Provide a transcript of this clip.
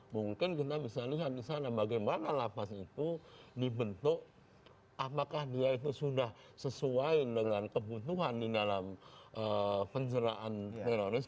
mungkin kita bisa lihat di sana bagaimana lapas itu dibentuk apakah dia itu sudah sesuai dengan kebutuhan di dalam penjaraan teroris